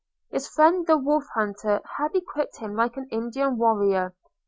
His friend the Wolf hunter had equipped him like an Indian warrior.